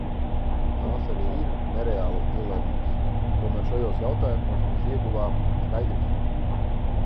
Tās arī ir nereālas dilemmas, tomēr šajos jautājumos mēs ieguvām skaidrību.